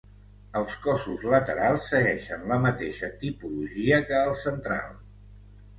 Els cossos laterals segueixen la mateixa tipologia que el central.